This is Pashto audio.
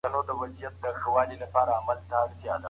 څکونکي نشه یې توکي د زړه ناروغۍ سبب کېږي.